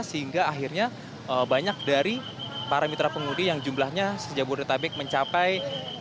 sehingga akhirnya banyak dari para mitra pengemudi yang jumlahnya sejak buddha tabik mencapai tiga ribu lima ratus